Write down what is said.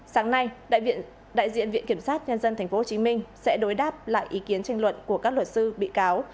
sáng nay đại diện viện kiểm sát nhân dân tp hcm sẽ đối đáp lại ý kiến tranh luận của các luật sư bị cáo